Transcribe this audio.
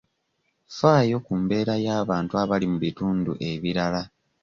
Ffaayo ku mbeera y'abantu abali mu bitundu ebirala.